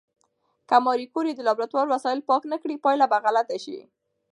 که ماري کوري د لابراتوار وسایل پاک نه کړي، پایله به غلطه شي.